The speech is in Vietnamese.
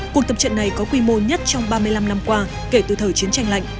cuộc tập trận này có quy mô nhất trong ba mươi năm năm qua kể từ thời chiến tranh lạnh